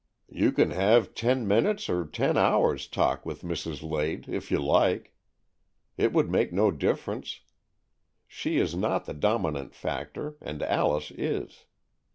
"You can have ten minutes' or ten hours' talk with Mrs. Lade, if you like. It would make no difference. She is not the dominant factor, and Alice is.